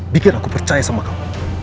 bikin aku percaya sama kamu